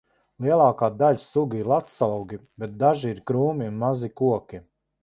Lielākā daļa sugu ir lakstaugi, bet daži ir krūmi un mazi koki.